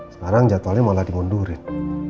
sekarang jadwalnya malah dimundurin